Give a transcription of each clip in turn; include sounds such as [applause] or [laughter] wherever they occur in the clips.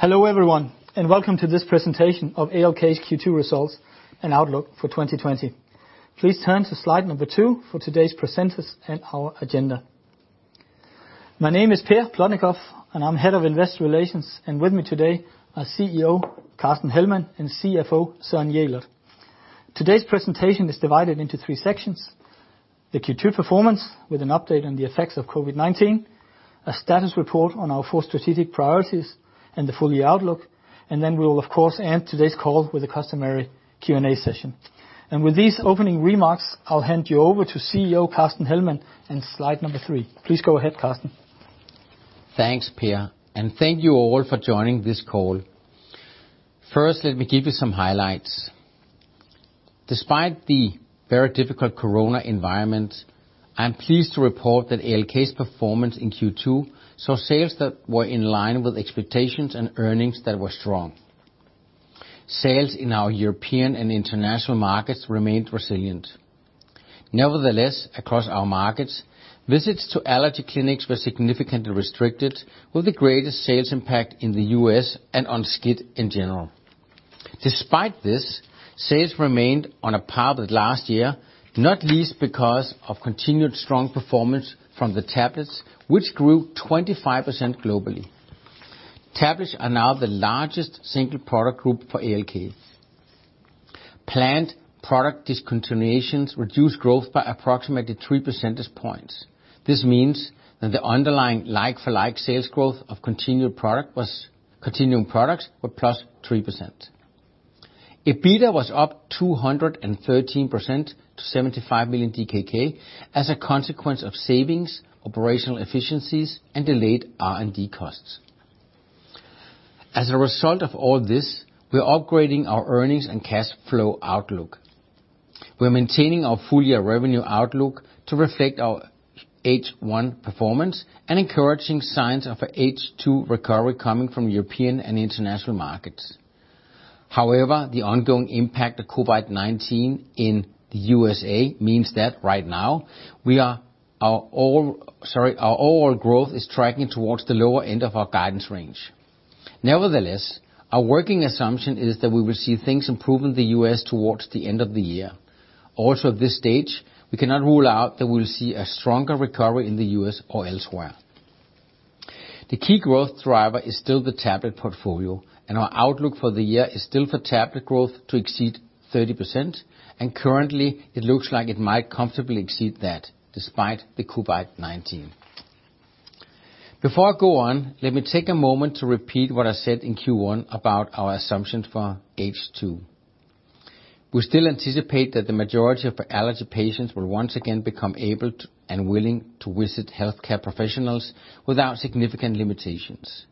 Hello everyone, and welcome to this presentation of ALK's Q2 results and outlook for 2020. Please turn to slide number two for today's presenters and our agenda. My name is Per Plotnikof, and I'm head of investor relations, and with me today are CEO Carsten Hellmann and CFO Søren Jelert. Today's presentation is divided into three sections: the Q2 performance with an update on the effects of COVID-19, a status report on our four strategic priorities, and the full year outlook, and then we will, of course, end today's call with a customary Q&A session. And with these opening remarks, I'll hand you over to CEO Carsten Hellmann and slide number three. Please go ahead, Carsten. Thanks, Per, and thank you all for joining this call. First, let me give you some highlights. Despite the very difficult corona environment, I'm pleased to report that ALK's performance in Q2 saw sales that were in line with expectations and earnings that were strong. Sales in our European and international markets remained resilient. Nevertheless, across our markets, visits to allergy clinics were significantly restricted, with the greatest sales impact in the U.S. and on SCIT in general. Despite this, sales remained on a par with last year, not least because of continued strong performance from the tablets, which grew 25% globally. Tablets are now the largest single product group for ALK. Planned product discontinuations reduced growth by approximately 3 percentage points. This means that the underlying like-for-like sales growth of continuing products was plus 3%. EBITDA was up 213% to 75 million DKK as a consequence of savings, operational efficiencies, and delayed R&D costs. As a result of all this, we're upgrading our earnings and cash flow outlook. We're maintaining our full year revenue outlook to reflect our H1 performance and encouraging signs of an H2 recovery coming from European and international markets. However, the ongoing impact of COVID-19 in the USA means that right now our overall growth is tracking towards the lower end of our guidance range. Nevertheless, our working assumption is that we will see things improve in the U.S towards the end of the year. Also, at this stage, we cannot rule out that we will see a stronger recovery in the U.S. or elsewhere. The key growth driver is still the tablet portfolio, and our outlook for the year is still for tablet growth to exceed 30%, and currently, it looks like it might comfortably exceed that despite the COVID-19. Before I go on, let me take a moment to repeat what I said in Q1 about our assumptions for H2. We still anticipate that the majority of allergy patients will once again become able and willing to visit healthcare professionals without significant limitations.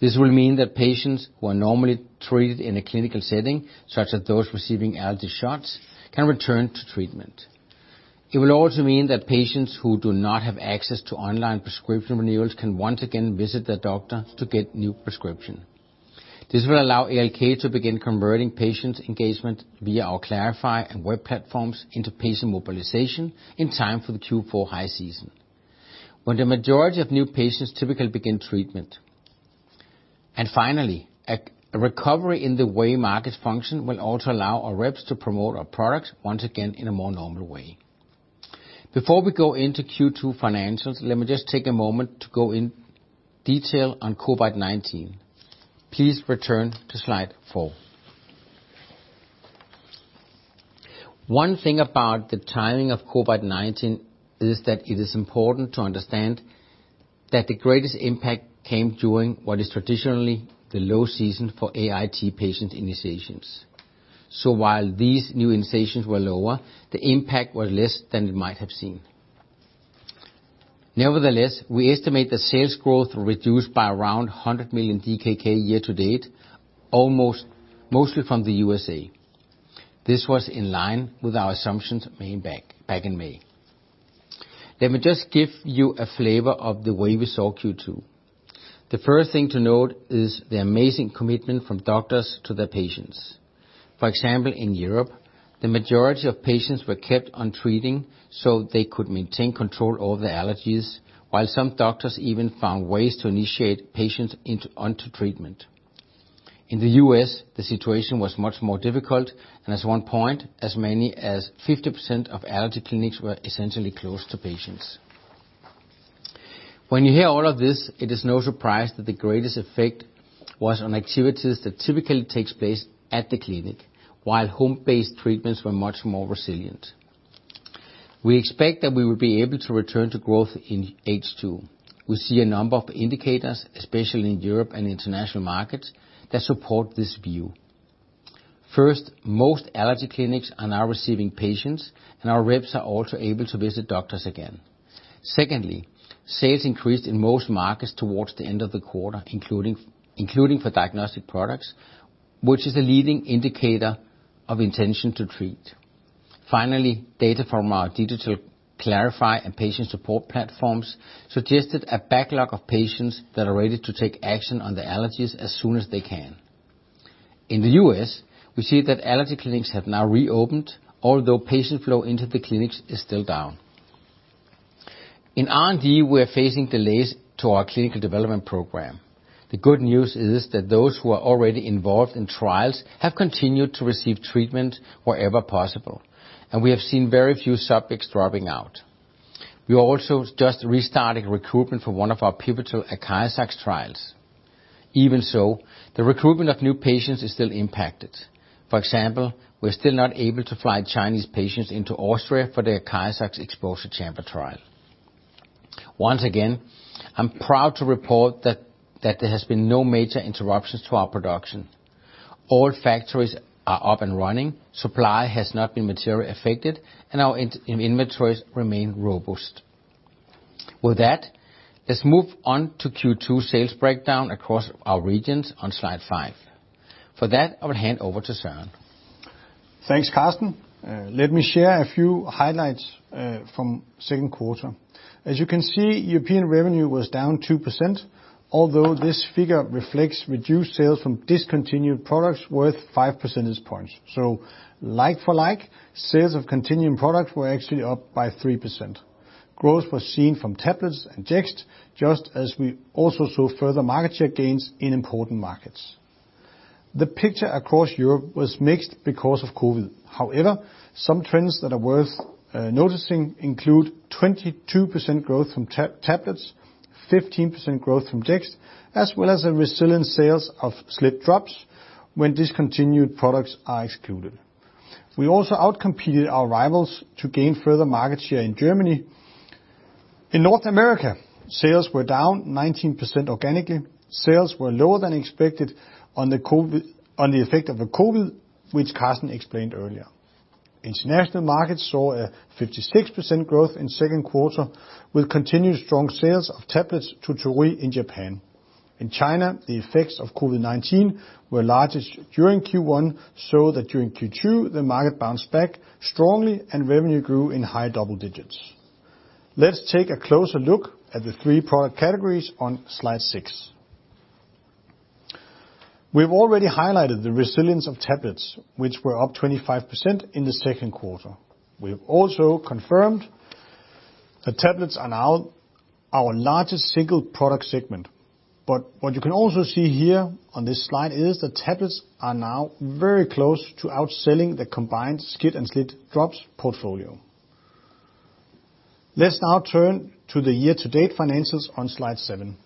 This will mean that patients who are normally treated in a clinical setting, such as those receiving allergy shots, can return to treatment. It will also mean that patients who do not have access to online prescription renewals can once again visit their doctor to get a new prescription. This will allow ALK to begin converting patient engagement via our klarify and web platforms into patient mobilization in time for the Q4 high season, when the majority of new patients typically begin treatment. And finally, a recovery in the way markets function will also allow our reps to promote our products once again in a more normal way. Before we go into Q2 financials, let me just take a moment to go in detail on COVID-19. Please return to slide 4. One thing about the timing of COVID-19 is that it is important to understand that the greatest impact came during what is traditionally the low season for AIT patient initiations, so while these new initiations were lower, the impact was less than you might have seen. Nevertheless, we estimate that sales growth reduced by around 100 million DKK year to date, mostly from the USA. This was in line with our assumptions made back in May. Let me just give you a flavor of the way we saw Q2. The first thing to note is the amazing commitment from doctors to their patients. For example, in Europe, the majority of patients were kept on treating so they could maintain control over the allergies, while some doctors even found ways to initiate patients onto treatment. In the U.S., the situation was much more difficult, and at one point, as many as 50% of allergy clinics were essentially closed to patients. When you hear all of this, it is no surprise that the greatest effect was on activities that typically take place at the clinic, while home-based treatments were much more resilient. We expect that we will be able to return to growth in H2. We see a number of indicators, especially in Europe and international markets, that support this view. First, most allergy clinics are now receiving patients, and our reps are also able to visit doctors again. Secondly, sales increased in most markets towards the end of the quarter, including for diagnostic products, which is a leading indicator of intention to treat. Finally, data from our digital klarify and patient support platforms suggested a backlog of patients that are ready to take action on the allergies as soon as they can. In the U.S., we see that allergy clinics have now reopened, although patient flow into the clinics is still down. In R&D, we are facing delays to our clinical development program. The good news is that those who are already involved in trials have continued to receive treatment wherever possible, and we have seen very few subjects dropping out. We also just restarted recruitment for one of our pivotal ACARIZAX trials. Even so, the recruitment of new patients is still impacted. For example, we're still not able to fly Chinese patients into Austria for the ACARIZAX exposure chamber trial. Once again, I'm proud to report that there have been no major interruptions to our production. All factories are up and running, supply has not been materially affected, and our inventories remain robust. With that, let's move on to Q2 sales breakdown across our regions on slide 5. For that, I will hand over to Søren. Thanks, Carsten. Let me share a few highlights from the second quarter. As you can see, European revenue was down 2%, although this figure reflects reduced sales from discontinued products worth 5 percentage points. So like-for-like, sales of continuing products were actually up by 3%. Growth was seen from tablets and Jext, just as we also saw further market share gains in important markets. The picture across Europe was mixed because of COVID. However, some trends that are worth noticing include 22% growth from tablets, 15% growth from Jext, as well as resilient sales of SLIT-drops when discontinued products are excluded. We also outcompeted our rivals to gain further market share in Germany. In North America, sales were down 19% organically. Sales were lower than expected on the effect of COVID, which Carsten explained earlier. International markets saw a 56% growth in the second quarter, with continued strong sales of tablets to Torii in Japan. In China, the effects of COVID-19 were largest during Q1, so that during Q2, the market bounced back strongly, and revenue grew in high double digits. Let's take a closer look at the three product categories on slide 6. We've already highlighted the resilience of tablets, which were up 25% in the second quarter. We've also confirmed that tablets are now our largest single product segment. But what you can also see here on this slide is that tablets are now very close to outselling the combined SCIT and SLIT-drops portfolio. Let's now turn to the year-to-date financials on slide 7.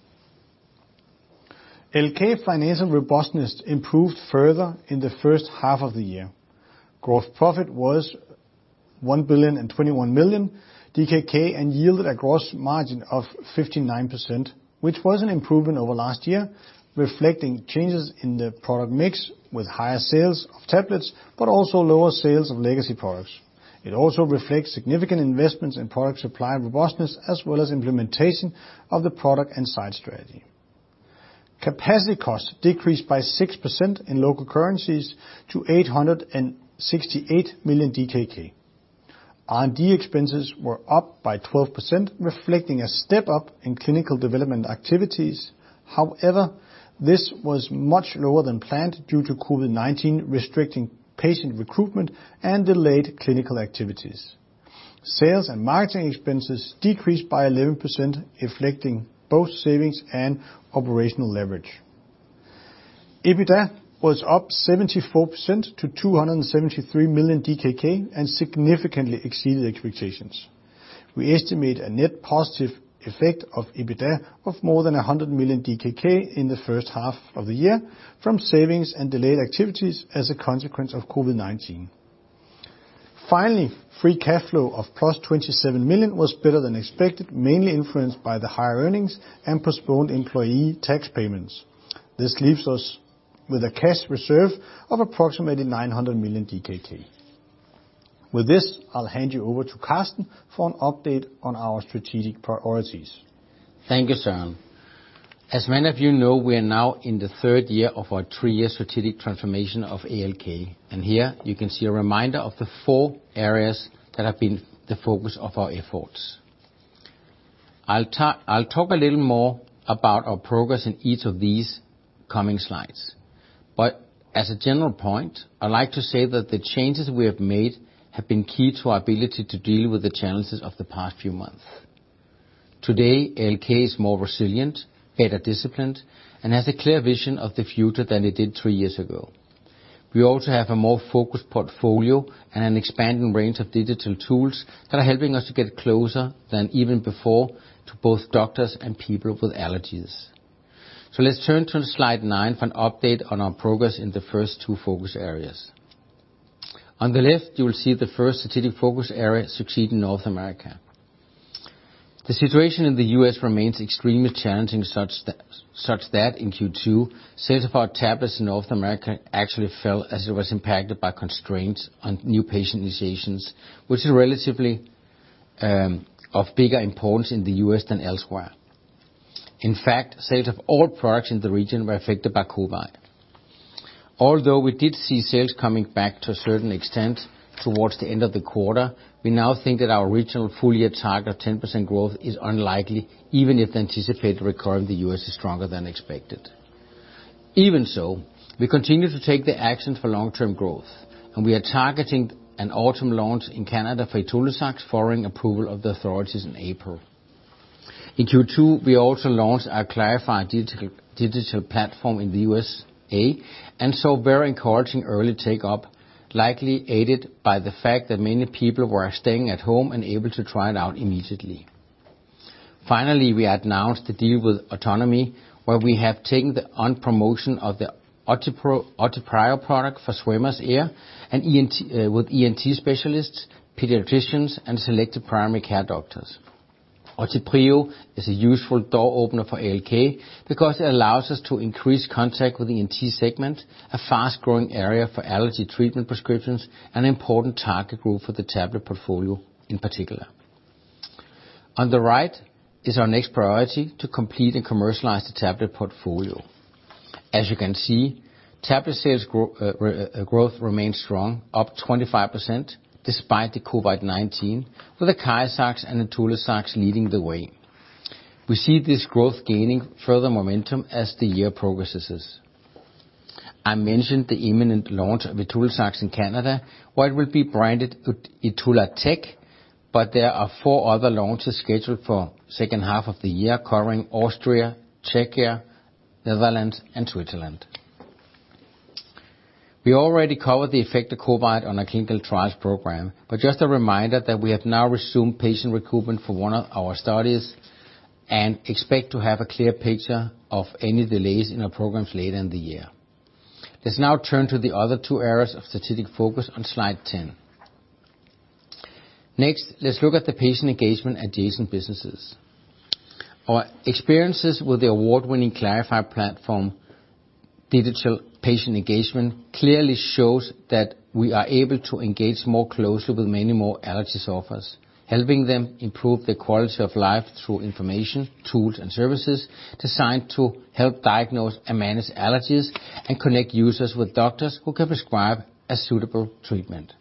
ALK financial robustness improved further in the first half of the year. Gross profit was one billion and 21 million and yielded a gross margin of 59%, which was an improvement over last year, reflecting changes in the product mix with higher sales of tablets, but also lower sales of legacy products. It also reflects significant investments in product supply robustness, as well as implementation of the product and site strategy. Capacity costs decreased by 6% in local currencies to 868 million DKK. R&D expenses were up by 12%, reflecting a step up in clinical development activities. However, this was much lower than planned due to COVID-19 restricting patient recruitment and delayed clinical activities. Sales and marketing expenses decreased by 11%, reflecting both savings and operational leverage. EBITDA was up 74% to 273 million DKK and significantly exceeded expectations. We estimate a net positive effect of EBITDA of more than 100 million DKK in the first half of the year from savings and delayed activities as a consequence of COVID-19. Finally, free cash flow of plus 27 million was better than expected, mainly influenced by the higher earnings and postponed employee tax payments. This leaves us with a cash reserve of approximately 900 million. With this, I'll hand you over to Carsten for an update on our strategic priorities. Thank you, Søren. As many of you know, we are now in the third year of our three-year strategic transformation of ALK, and here you can see a reminder of the four areas that have been the focus of our efforts. I'll talk a little more about our progress in each of these coming slides. But as a general point, I'd like to say that the changes we have made have been key to our ability to deal with the challenges of the past few months. Today, ALK is more resilient, better disciplined, and has a clear vision of the future than it did three years ago. We also have a more focused portfolio and an expanding range of digital tools that are helping us to get closer than even before to both doctors and people with allergies. So let's turn to slide nine for an update on our progress in the first two focus areas. On the left, you will see the first strategic focus area: Succeed in North America. The situation in the U.S. remains extremely challenging such that in Q2, sales of our tablets in North America actually fell as it was impacted by constraints on new patient initiations, which is relatively of bigger importance in the U.S. than elsewhere. In fact, sales of all products in the region were affected by COVID. Although we did see sales coming back to a certain extent towards the end of the quarter, we now think that our regional full year target of 10% growth is unlikely, even if the anticipated recovery in the U.S. is stronger than expected. Even so, we continue to take the action for long-term growth, and we are targeting an autumn launch in Canada for ITULAZAX following approval by the authorities in April. In Q2, we also launched our klarify digital platform in the USA, and saw very encouraging early take-up, likely aided by the fact that many people were staying at home and able to try it out immediately. Finally, we announced the deal with Otonomy Inc, where we have taken on the promotion of the OTIPRIO product for swimmer's ear with ENT specialists, pediatricians, and selected primary care doctors. OTIPRIO is a useful door opener for ALK because it allows us to increase contact with the ENT segment, a fast-growing area for allergy treatment prescriptions, and an important target group for the tablet portfolio in particular. On the right is our next priority to complete and commercialize the tablet portfolio. As you can see, tablet sales growth remains strong, up 25% despite the COVID-19, with ACARIZAX and ITULAZAX leading the way. We see this growth gaining further momentum as the year progresses. I mentioned the imminent launch of ITULAZAX in Canada, where it will be branded ITULATEK, but there are four other launches scheduled for the second half of the year, covering Austria, Czechia, Netherlands, and Switzerland. We already covered the effect of COVID on our clinical trials program, but just a reminder that we have now resumed patient recruitment for one of our studies and expect to have a clear picture of any delays in our programs later in the year. Let's now turn to the other two areas of strategic focus on slide 10. Next, let's look at the patient engagement adjacent businesses. Our experiences with the award-winning klarify platform, digital patient engagement, clearly shows that we are able to engage more closely with many more allergy sufferers, helping them improve their quality of life through information, tools, and services designed to help diagnose and manage allergies and connect users with doctors who can prescribe a suitable treatment.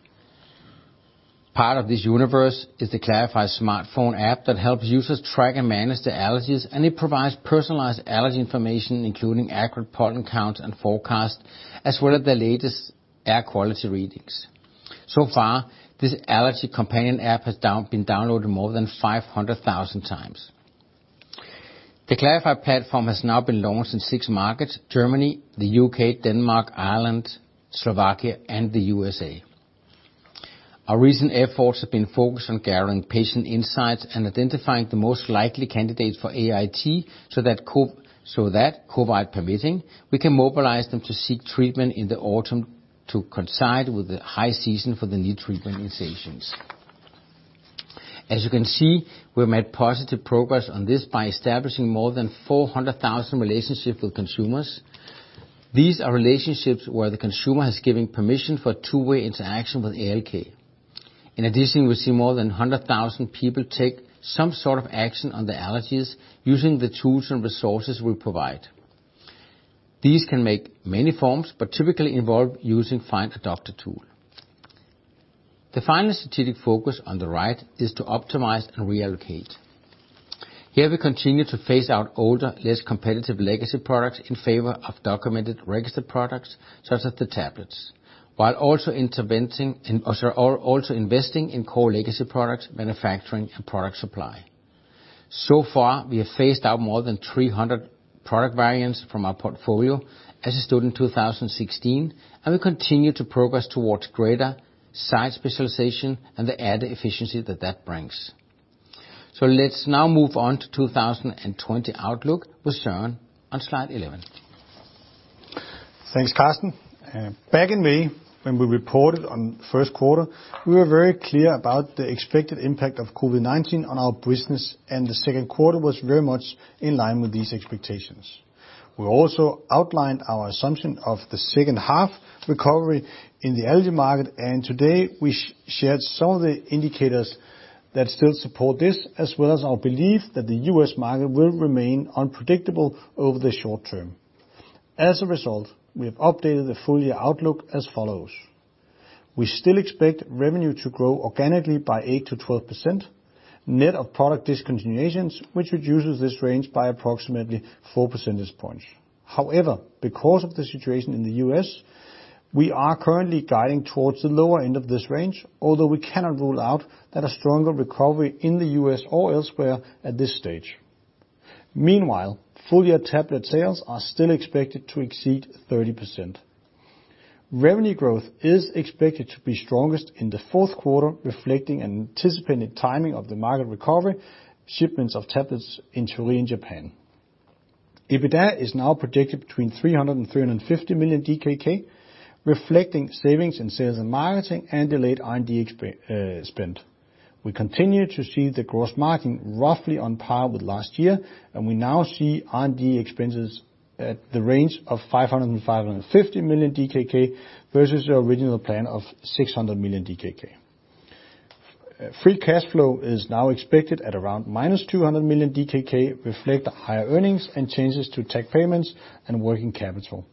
Part of this universe is the klarify smartphone app that helps users track and manage their allergies, and it provides personalized allergy information, including accurate pollen counts and forecasts, as well as the latest air quality readings. So far, this allergy companion app has been downloaded more than 500,000 times. The klarify platform has now been launched in six markets: Germany, the UK, Denmark, Ireland, Slovakia, and the USA. Our recent efforts have been focused on gathering patient insights and identifying the most likely candidates for AIT so that, COVID permitting, we can mobilize them to seek treatment in the autumn to coincide with the high season for the need for treatment in season. As you can see, we've made positive progress on this by establishing more than 400,000 relationships with consumers. These are relationships where the consumer has given permission for two-way interaction with ALK. In addition, we see more than 100,000 people take some sort of action on the allergies using the tools and resources we provide. These can take many forms, but typically involve using a find-a-doctor tool. The final strategic focus on the right is to optimize and reallocate. Here, we continue to phase out older, less competitive legacy products in favor of documented registered products, such as the tablets, while also investing in core legacy products, manufacturing, and product supply. So far, we have phased out more than 300 product variants from our portfolio as it stood in 2016, and we continue to progress towards greater site specialization and the added efficiency that that brings. So let's now move on to the 2020 outlook with Søren on slide 11. Thanks, Carsten. Back in May, when we reported on the first quarter, we were very clear about the expected impact of COVID-19 on our business, and the second quarter was very much in line with these expectations. We also outlined our assumption of the second half recovery in the allergy market, and today, we shared some of the indicators that still support this, as well as our belief that the U.S. market will remain unpredictable over the short term. As a result, we have updated the full year outlook as follows. We still expect revenue to grow organically by 8%-12% net of product discontinuations, which reduces this range by approximately 4 percentage points. However, because of the situation in the U.S., we are currently guiding towards the lower end of this range, although we cannot rule out a stronger recovery in the U.S. or elsewhere at this stage. Meanwhile, full-year tablet sales are still expected to exceed 30%. Revenue growth is expected to be strongest in the fourth quarter, reflecting an anticipated timing of the market recovery, shipments of tablets to Torii in Japan. EBITDA is now projected between 300 million to 350 million DKK, reflecting savings in sales and marketing and delayed R&D spend. We continue to see the gross margin roughly on par with last year, and we now see R&D expenses at the range of 500 million to 550 million DKK versus the original plan of 600 million DKK. Free cash flow is now expected at around minus 200 million DKK, reflecting higher earnings and changes to tax payments and working capital.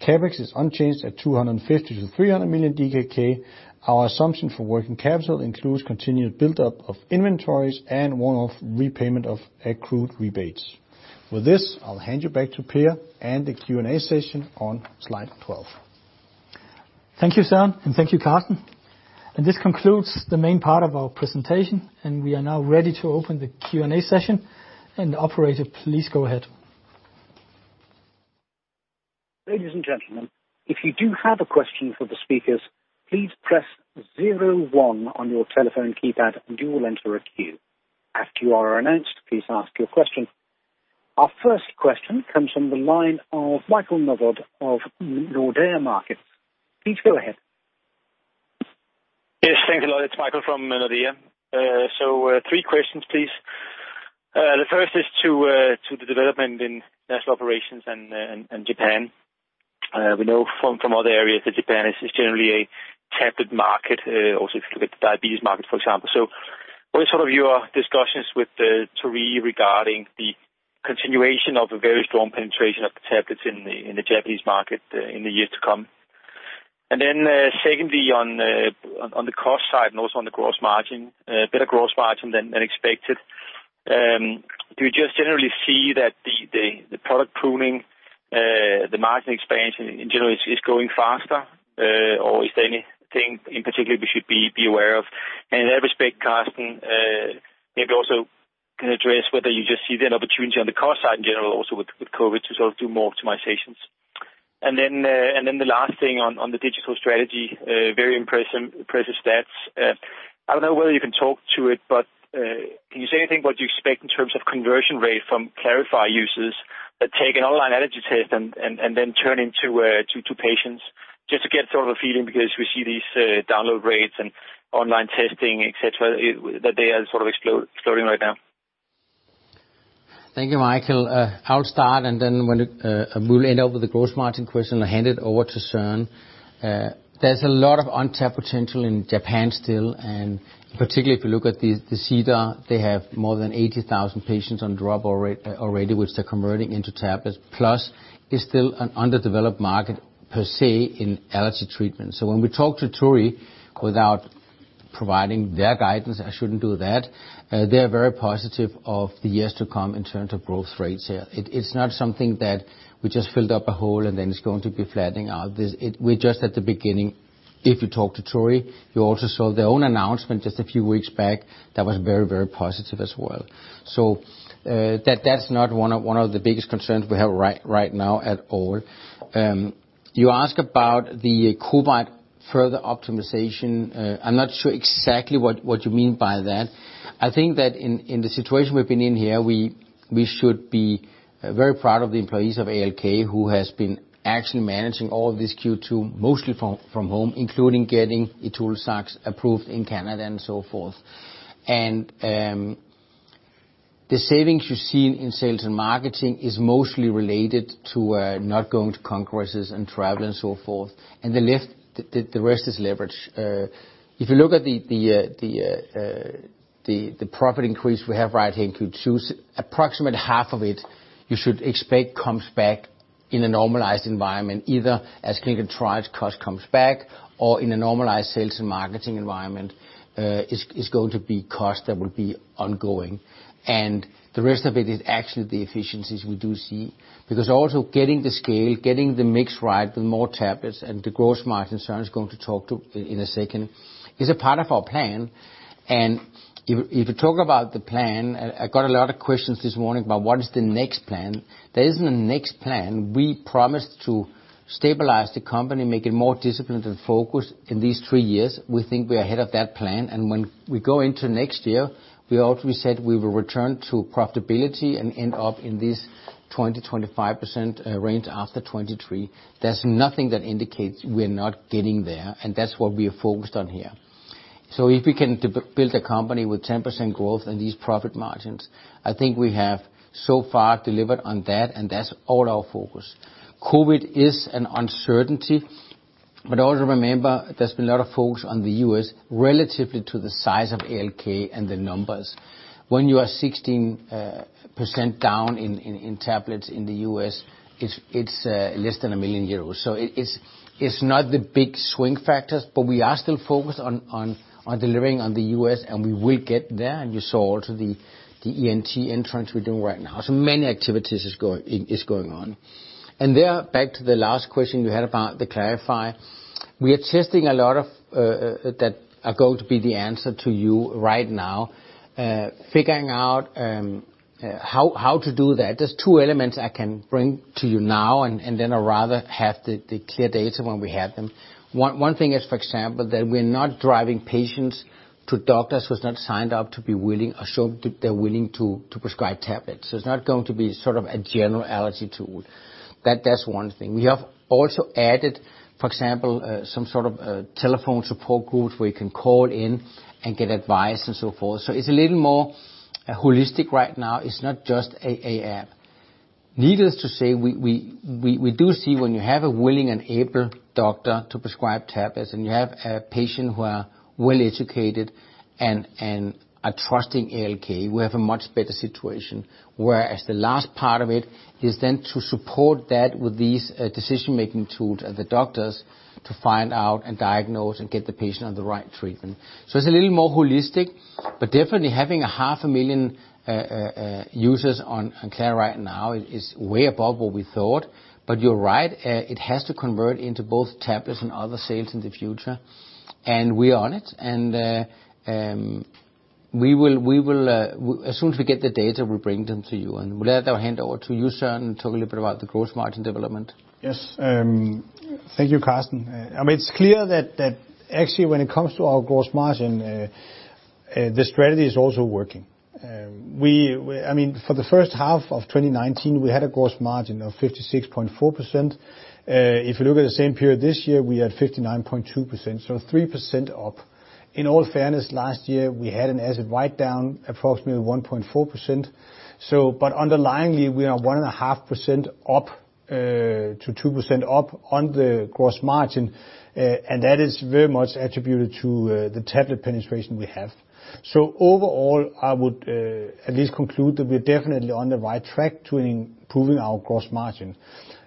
CapEx is unchanged at 250 million to 300 million DKK. Our assumption for working capital includes continued build-up of inventories and one-off repayment of accrued rebates. With this, I'll hand you back to Per and the Q&A session on slide 12. Thank you, Søren, and thank you, Carsten. And this concludes the main part of our presentation, and we are now ready to open the Q&A session. And operator, please go ahead. Ladies and gentlemen, if you do have a question for the speakers, please press zero one on your telephone keypad, and you will enter a queue. After you are announced, please ask your question. Our first question comes from the line of Michael Novod of Nordea Markets. Please go ahead. Yes, thanks a lot. It's Michael from Nordea. So three questions, please. The first is to the development in international operations and Japan. We know from other areas that Japan is generally a tablet market, also if you look at the diabetes market, for example. So what are sort of your discussions with Torii regarding the continuation of a very strong penetration of the tablets in the Japanese market in the years to come? And then secondly, on the cost side and also on the gross margin, better gross margin than expected, do you just generally see that the product pruning, the margin expansion in general is going faster, or is there anything in particular we should be aware of? And in that respect, Carsten, maybe also can address whether you just see an opportunity on the cost side in general, also with COVID, to sort of do more optimizations. And then the last thing on the digital strategy, very impressive stats. I don't know whether you can talk to it, but can you say anything about what you expect in terms of conversion rate from klarify users that take an online allergy test and then turn into patients just to get sort of a feeling because we see these download rates and online testing, etc., that they are sort of exploding right now? Thank you, Michael. I'll start, and then we'll end up with the gross margin question and hand it over to Søren. There's a lot of untapped potential in Japan still, and particularly if you look at the cedar, they have more than 80,000 patients on drug already, which they're converting into tablets, plus it's still an underdeveloped market per se in allergy treatment. So when we talk to Torii without providing their guidance, I shouldn't do that, they are very positive of the years to come in terms of growth rates here. It's not something that we just filled up a hole and then it's going to be flattening out. We're just at the beginning. If you talk to Torii, you also saw their own announcement just a few weeks back that was very, very positive as well. That's not one of the biggest concerns we have right now at all. You ask about the COVID further optimization, I'm not sure exactly what you mean by that. I think that in the situation we've been in here, we should be very proud of the employees of ALK who have been actually managing all this Q2 mostly from home, including getting ITULAZAX approved in Canada and so forth. The savings you see in sales and marketing is mostly related to not going to congresses and travel and so forth, and the rest is leverage. If you look at the profit increase we have right here in Q2, approximately half of it you should expect comes back in a normalized environment, either as clinical trials cost comes back or in a normalized sales and marketing environment, it's going to be cost that will be ongoing. The rest of it is actually the efficiencies we do see because also getting the scale, getting the mix right with more tablets and the gross margin, Søren is going to talk to in a second, is a part of our plan. If you talk about the plan, I got a lot of questions this morning about what is the next plan. There isn't a next plan. We promised to stabilize the company, make it more disciplined and focused in these three years. We think we're ahead of that plan, and when we go into next year, we already said we will return to profitability and end up in this 20% to 25% range after 2023. There's nothing that indicates we're not getting there, and that's what we are focused on here. So if we can build a company with 10% growth and these profit margins, I think we have so far delivered on that, and that's all our focus. COVID is an uncertainty, but also remember there's been a lot of focus on the U.S. relative to the size of ALK and the numbers. When you are 16% down in tablets in the U.S., it's less than 1 million euros. So it's not the big swing factors, but we are still focused on delivering on the U.S., and we will get there. And you saw also the ENT entrance we're doing right now. So many activities are going on. And there, back to the last question you had about the klarify, we are testing a lot of that are going to be the answer to you right now. Figuring out how to do that are two elements I can bring to you now, and then I'd rather have the klarify data when we have them. One thing is, for example, that we're not driving patients to doctors who are not signed up to be willing or show they're willing to prescribe tablets. So it's not going to be sort of a general allergy tool. That's one thing. We have also added, for example, some sort of telephone support groups where you can call in and get advice and so forth. So it's a little more holistic right now. It's not just an app. Needless to say, we do see when you have a willing and able doctor to prescribe tablets and you have a patient who are well-educated and are trusting ALK, we have a much better situation. Whereas the last part of it is then to support that with these decision-making tools at the doctors to find out and diagnose and get the patient on the right treatment, so it's a little more holistic, but definitely having 500,000 users on klarify right now is way above what we thought, but you're right, it has to convert into both tablets and other sales in the future, and we are on it, and as soon as we get the data, we'll bring them to you, and we'll let that hand over to you, Søren, and talk a little bit about the gross margin development. Yes. Thank you, Carsten. I mean, it's clear that actually when it comes to our gross margin, the strategy is also working. I mean, for the first half of 2019, we had a gross margin of 56.4%. If you look at the same period this year, we had 59.2%, so 3% up. In all fairness, last year we had an asset write-down approximately 1.4%. But underlyingly, we are 1.5% up to 2% up on the gross margin, and that is very much attributed to the tablet penetration we have. So overall, I would at least conclude that we're definitely on the right track to improving our gross margin.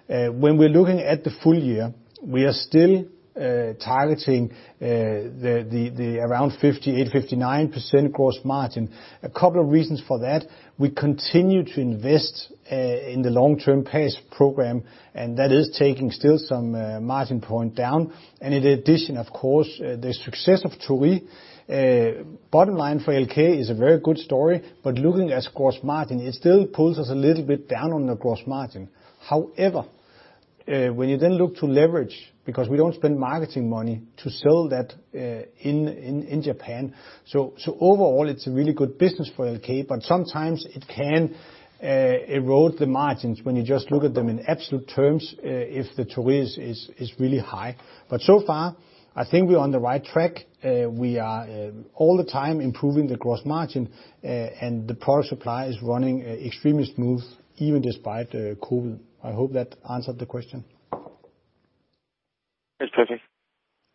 When we're looking at the full year, we are still targeting around 58% to 59% gross margin. A couple of reasons for that. We continue to invest in the long-term PACE program, and that is taking still some margin point down. And in addition, of course, the success of Torii, bottom line for ALK is a very good story, but looking at gross margin, it still pulls us a little bit down on the gross margin. However, when you then look to leverage, because we don't spend marketing money to sell that in Japan. So overall, it's a really good business for ALK, but sometimes it can erode the margins when you just look at them in absolute terms if the Torii is really high. But so far, I think we're on the right track. We are all the time improving the gross margin, and the product supply is running extremely smooth even despite COVID. I hope that answered the question. It's perfect.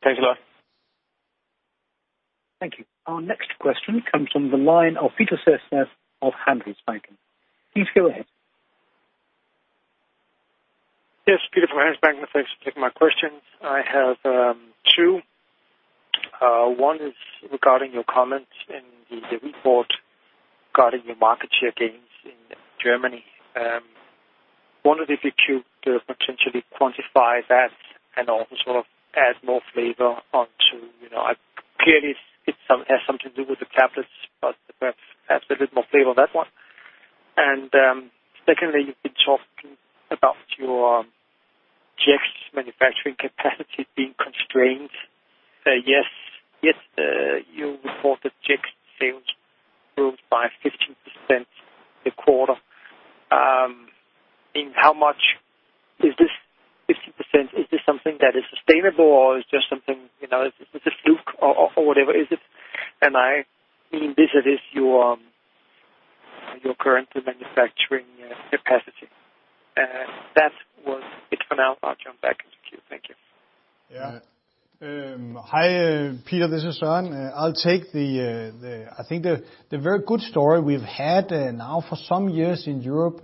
Thanks a lot. Thank you. Our next question comes from the line of Peter Sehested of Handelsbanken. Please go ahead. Yes, Peter from Handelsbanken. Thanks for taking my question. I have two. One is regarding your comments in the report regarding your market share gains in Germany. I wondered if you could potentially quantify that and also sort of add more flavor onto. Clearly, it has something to do with the tablets, but perhaps add a little more flavor on that one. And secondly, you've been talking about your Jext manufacturing capacity being constrained. Yes, you report that Jext sales grew by 15% this quarter. Is this 15%, is this something that is sustainable or is it just something, is this a fluke or whatever is it? And I mean, this is your current manufacturing capacity. That was it for now. I'll jump back into the queue. Thank you. Yeah. Hi, Peter. This is Søren. I'll take the, I think, the very good story we've had now for some years in Europe,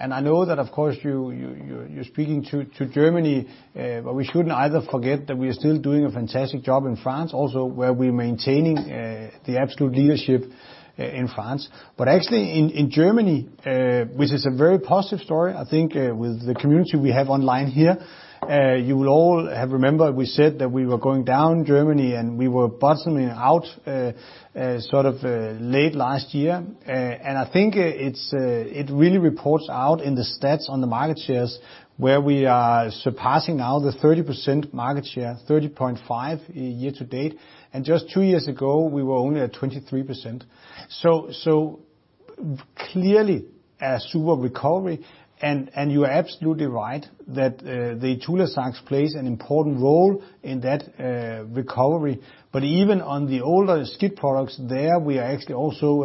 and I know that, of course, you're speaking to Germany, but we shouldn't either forget that we are still doing a fantastic job in France, also where we're maintaining the absolute leadership in France. But actually in Germany, which is a very positive story, I think with the community we have online here, you will all have remembered we said that we were going down Germany and we were bottoming out sort of late last year. And I think it really reports out in the stats on the market shares where we are surpassing now the 30% market share, 30.5% year to date. And just two years ago, we were only at 23%. So clearly a super recovery. And you are absolutely right that the ITULAZAX plays an important role in that recovery. But even on the older SCIT products there, we are actually also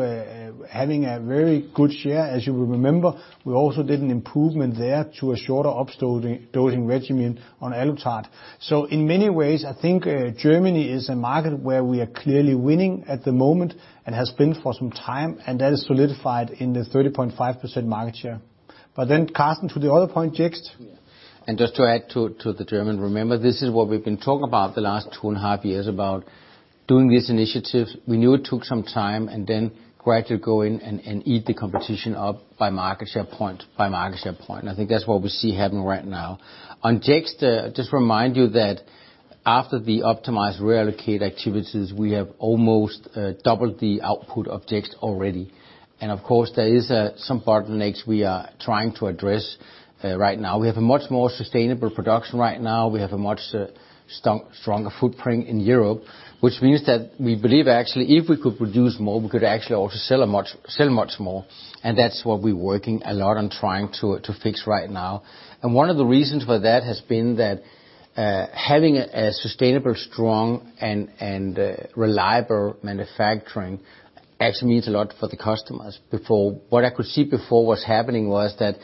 having a very good share. As you will remember, we also did an improvement there to a shorter upstart dosing regimen on Alutard. So in many ways, I think Germany is a market where we are clearly winning at the moment and has been for some time, and that is solidified in the 30.5% market share. But then, Carsten, to the other point, Jext. And just to add to the German, remember this is what we've been talking about the last two and a half years about doing these initiatives. We knew it took some time and then gradually go in and eat the competition up by market share point. I think that's what we see happening right now. On Jext, just remind you that after the optimized reallocate activities, we have almost doubled the output of Jext already. And of course, there are some bottlenecks we are trying to address right now. We have a much more sustainable production right now. We have a much stronger footprint in Europe, which means that we believe actually if we could produce more, we could actually also sell much more. And that's what we're working a lot on trying to fix right now. One of the reasons for that has been that having a sustainable, strong, and reliable manufacturing actually means a lot for the customers. What I could see before was happening was that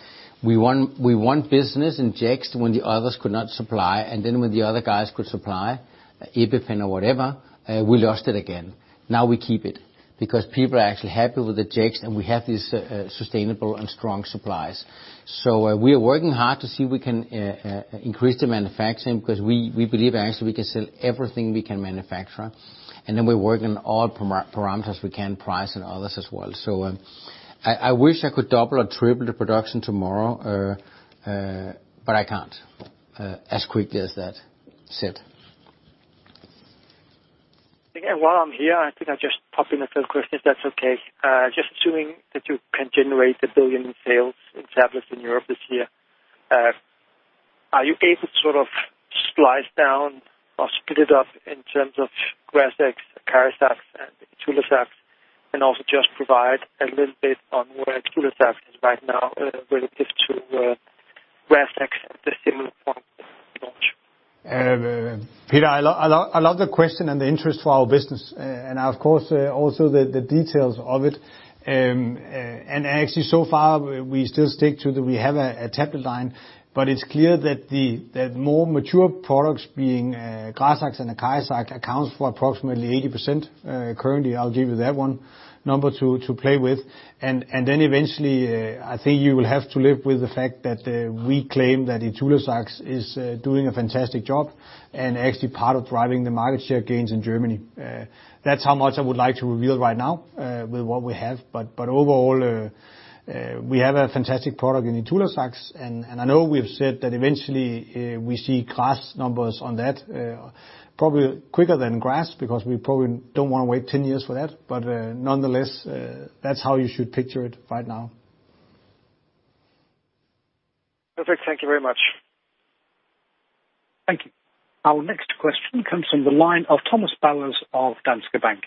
we won business in Jext when the others could not supply, and then when the other guys could supply, EpiPen or whatever, we lost it again. Now we keep it because people are actually happy with the Jext and we have these sustainable and strong supplies. So we are working hard to see if we can increase the manufacturing because we believe actually we can sell everything we can manufacture. And then we're working on all parameters we can, price and others as well. So I wish I could double or triple the production tomorrow, but I can't as quickly as that, said. Again, while I'm here, I think I'll just pop in a few questions if that's okay. Just assuming that you can generate 1 billion in sales in tablets in Europe this year, are you able to sort of splice down or split it up in terms of GRAZAX, ACARIZAX, and ITULAZAX, and also just provide a little bit on where ITULAZAX is right now relative to GRAZAX at the similar point? Peter, I love the question and the interest for our business. Of course, also the details of it. Actually so far, we still stick to the we have a tablet line, but it's clear that more mature products being GRAZAX and ACARIZAX accounts for approximately 80% currently. I'll give you that one number to play with. Then eventually, I think you will have to live with the fact that we claim that ITULAZAX is doing a fantastic job and actually part of driving the market share gains in Germany. That's how much I would like to reveal right now with what we have. Overall, we have a fantastic product in ITULAZAX. I know we've said that eventually we see GRAZAX numbers on that, probably quicker than GRAZAX because we probably don't want to wait 10 years for that. Nonetheless, that's how you should picture it right now. Perfect. Thank you very much. Thank you. Our next question comes from the line of Thomas Bowers of Danske Bank.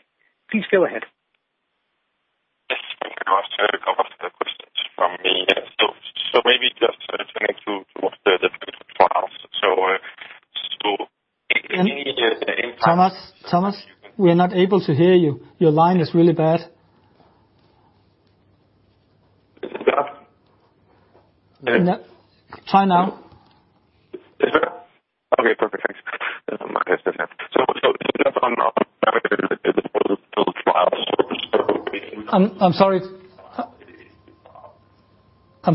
Please go ahead. Yes. Thank you. I'll start with the questions from me. So maybe just turning to what the difference for us. [audio distortion] Thomas, we're not able to hear you. Your line is really bad. Try now. Okay. Perfect. Thanks. [audio distortion] I'm sorry. I'm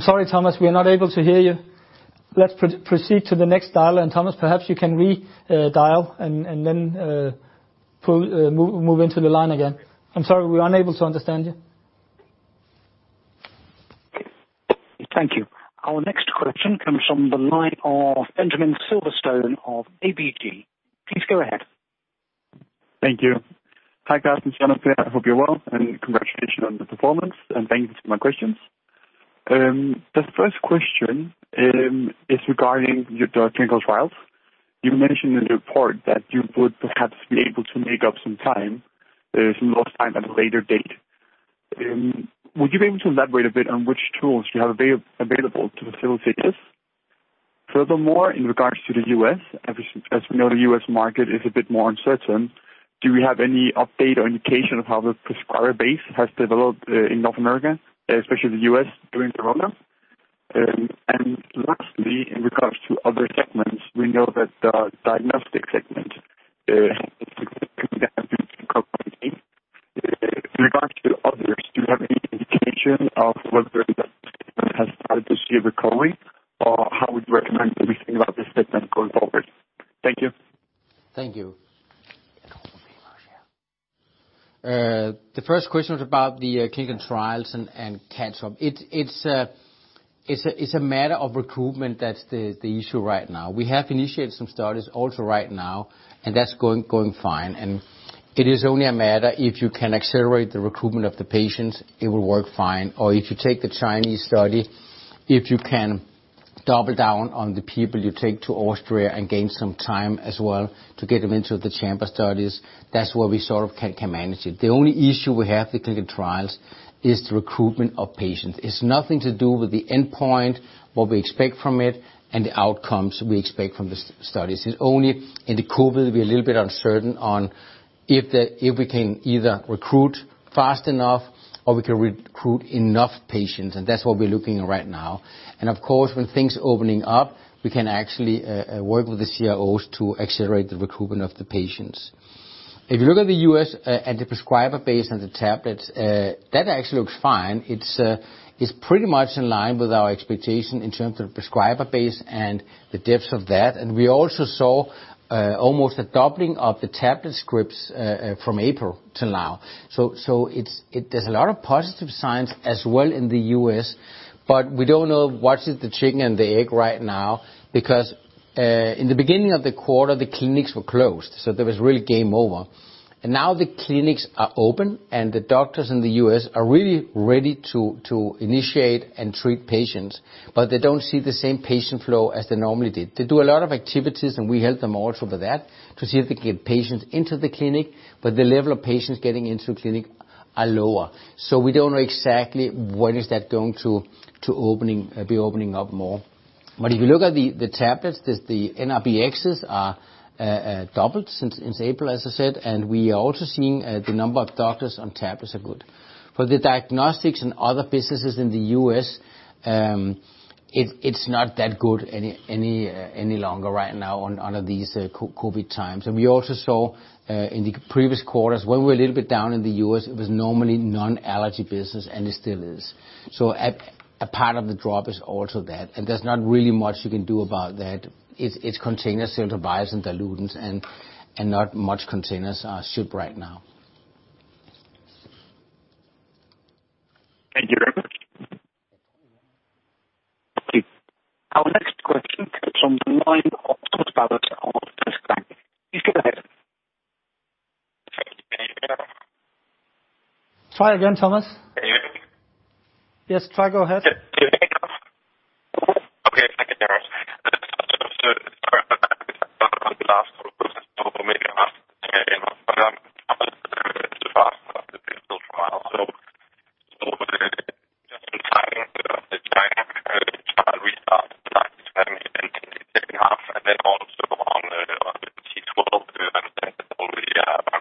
sorry, Thomas. We are not able to hear you. Let's proceed to the next dialer, and Thomas, perhaps you can redial and then move into the line again. I'm sorry. We're unable to understand you. Thank you. Our next question comes from the line of Benjamin Silverstone of ABG. Please go ahead. Thank you. Hi, Carsten, Søren. I hope you're well. And congratulations on the performance. And thank you for my questions. The first question is regarding the clinical trials. You mentioned in the report that you would perhaps be able to make up some time, some lost time at a later date. Would you be able to elaborate a bit on which tools you have available to facilitate this? Furthermore, in regards to the U.S., as we know, the U.S. market is a bit more uncertain. Do we have any update or indication of how the prescriber base has developed in North America, especially the U.S. during Corona? And lastly, in regards to other segments, we know that the diagnostic segment has significantly increased in COVID-19. In regards to others, do you have any indication of whether that segment has started to see a recovery or how would you recommend that we think about this segment going forward? Thank you. Thank you. The first question was about the clinical trials and catch-up. It's a matter of recruitment that's the issue right now. We have initiated some studies also right now, and that's going fine. And it is only a matter if you can accelerate the recruitment of the patients, it will work fine. Or if you take the Chinese study, if you can double down on the people you take to Austria and gain some time as well to get them into the chamber studies, that's where we sort of can manage it. The only issue we have with clinical trials is the recruitment of patients. It's nothing to do with the endpoint, what we expect from it, and the outcomes we expect from the studies. It's only in the COVID, we're a little bit uncertain on if we can either recruit fast enough or we can recruit enough patients. And that's what we're looking at right now. And of course, when things are opening up, we can actually work with the CROs to accelerate the recruitment of the patients. If you look at the U.S. and the prescriber base and the tablets, that actually looks fine. It's pretty much in line with our expectation in terms of the prescriber base and the depth of that. And we also saw almost a doubling of the tablet scripts from April till now. So there's a lot of positive signs as well in the U.S., but we don't know what is the chicken and the egg right now because in the beginning of the quarter, the clinics were closed. So there was really game over. And now the clinics are open, and the doctors in the U.S. are really ready to initiate and treat patients, but they don't see the same patient flow as they normally did. They do a lot of activities, and we help them also with that to see if they can get patients into the clinic, but the level of patients getting into the clinic are lower. So we don't know exactly when is that going to be opening up more. But if you look at the tablets, the NBRxs are doubled since April, as I said, and we are also seeing the number of doctors on tablets are good. For the diagnostics and other businesses in the U.S., it's not that good any longer right now under these COVID times. And we also saw in the previous quarters when we were a little bit down in the U.S., it was normally non-allergy business, and it still is. So a part of the drop is also that. And there's not really much you can do about that. It's container-sealed devices and diluents, and not much containers are shipped right now. Thank you very much. Our next question comes from the line of Thomas Bowers of Danske Bank. Please go ahead. Try again, Thomas. Yes, try. Go ahead. Okay. Thank you, guys. So the last quarter was normally after the pandemic, but that was a little faster on the clinical trial. So just in timing the China trial restart in 2020 and in 2021, and then also on the MT-12, and then all the patients have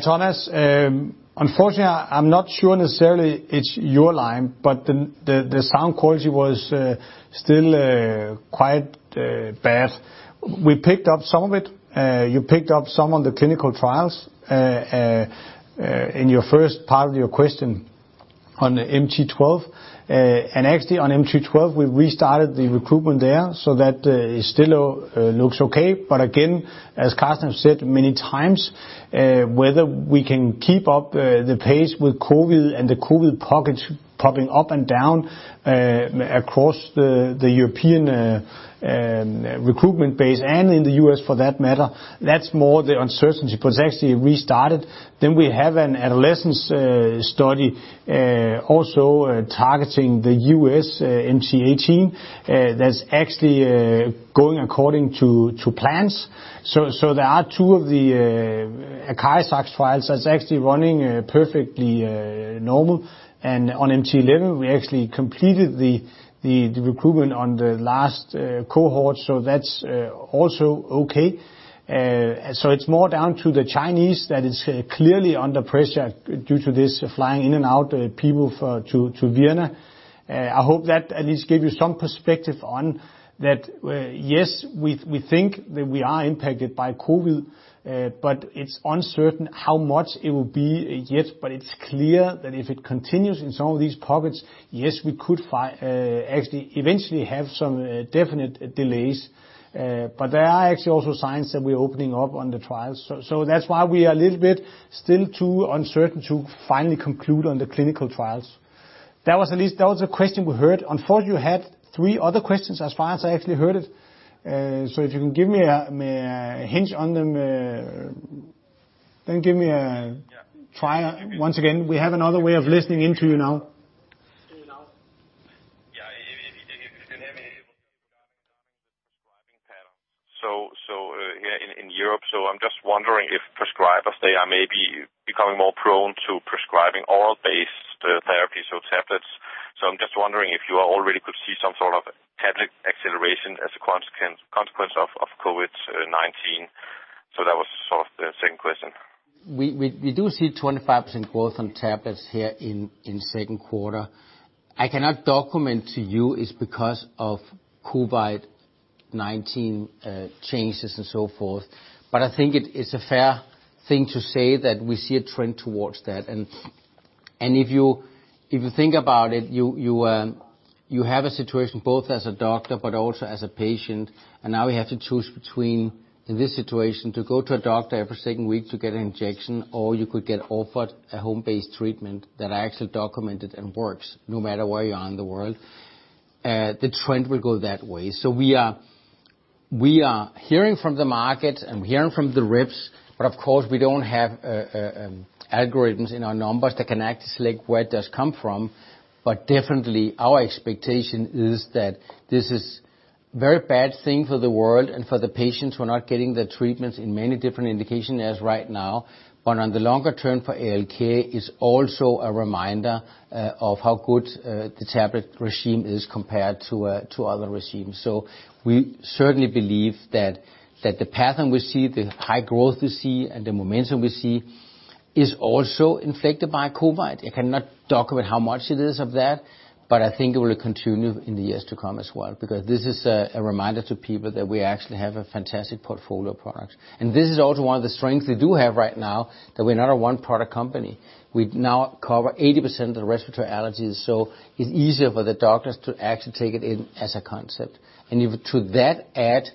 been able to get [audio distortion] any preliminary timeline on the other readouts with the clinical trials. [audio distortion] So any thoughts on that? Thank you. That was good. Yeah. Hi, Thomas. Unfortunately, I'm not sure necessarily it's your line, but the sound quality was still quite bad. We picked up some of it. You picked up some of the clinical trials in your first part of your question on the MT-12, and actually on MT-12, we restarted the recruitment there so that it still looks okay. But again, as Carsten has said many times, whether we can keep up the pace with COVID and the COVID pockets popping up and down across the European recruitment base and in the US for that matter, that's more the uncertainty. But it's actually restarted. Then we have an adolescence study also targeting the U.S. MT-18 that's actually going according to plans. So there are two of the ACARIZAX trials that's actually running perfectly normal, and on MT-11, we actually completed the recruitment on the last cohort. That's also okay. It's more down to the Chinese that it's clearly under pressure due to this flying in and out of people to Vienna. I hope that at least gave you some perspective on that. Yes, we think that we are impacted by COVID, but it's uncertain how much it will be yet. But it's clear that if it continues in some of these pockets, yes, we could actually eventually have some definite delays. But there are actually also signs that we're opening up on the trials. That's why we are a little bit still too uncertain to finally conclude on the clinical trials. That was at least the question we heard. Unfortunately, you had three other questions as far as I actually heard it. If you can give me a hint on them, then give me a try once again. We have another way of listening into you now. Yeah. If you can hear me regarding the prescribing patterns. So here in Europe, so I'm just wondering if prescribers, they are maybe becoming more prone to prescribing oral-based therapies, so tablets. So I'm just wondering if you already could see some sort of tablet acceleration as a consequence of COVID-19. So that was sort of the second question. We do see 25% growth on tablets here in second quarter. I cannot document to you it's because of COVID-19 changes and so forth. But I think it's a fair thing to say that we see a trend towards that. And if you think about it, you have a situation both as a doctor, but also as a patient. And now you have to choose between in this situation to go to a doctor every second week to get an injection, or you could get offered a home-based treatment that are actually documented and works no matter where you are in the world. The trend will go that way. So we are hearing from the market and we're hearing from the reps, but of course, we don't have algorithms in our numbers that can actually select where it does come from. But definitely, our expectation is that this is a very bad thing for the world and for the patients who are not getting the treatments in many different indications as right now. But on the longer term for ALK, it's also a reminder of how good the tablet regime is compared to other regimes. So we certainly believe that the pattern we see, the high growth we see, and the momentum we see is also infected by COVID. I cannot document how much it is of that, but I think it will continue in the years to come as well because this is a reminder to people that we actually have a fantastic portfolio of products. And this is also one of the strengths we do have right now that we're not a one-product company. We now cover 80% of the respiratory allergies. So it's easier for the doctors to actually take it in as a concept. And to that add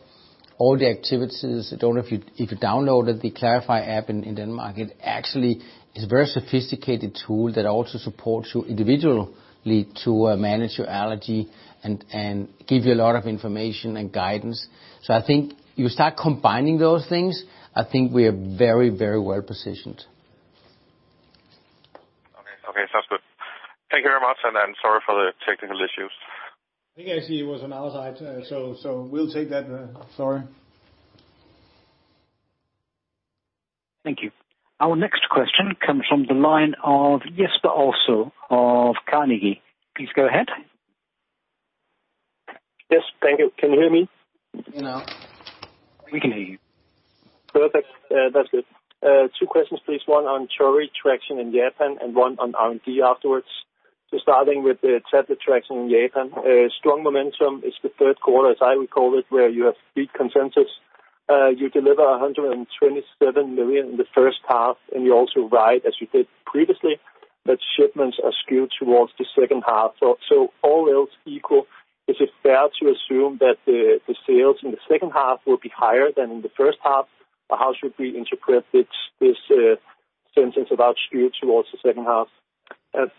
all the activities. I don't know if you downloaded the klarify app in Denmark. It actually is a very sophisticated tool that also supports you individually to manage your allergy and give you a lot of information and guidance. So I think you start combining those things, I think we are very, very well positioned. Okay. Sounds good. Thank you very much and sorry for the technical issues. I think I see it was on our side. So we'll take that. Sorry. Thank you. Our next question comes from the line of Jesper Ilsøe of Carnegie. Please go ahead. Yes. Thank you. Can you hear me? We can hear you. Perfect. That's good. Two questions, please. One on Torii traction in Japan and one on R&D afterwards. So starting with the tablet traction in Japan, strong momentum in the third quarter, as I recall it, where you exceed consensus. You deliver 127 million in the first half, and you also guide as you did previously, but shipments are skewed towards the second half. So all else equal, is it fair to assume that the sales in the second half will be higher than in the first half? Or how should we interpret this guidance about skew towards the second half?